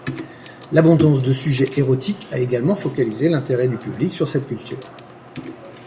L’abondance de sujets érotiques a également focalisé l’intérêt du public sur cette culture.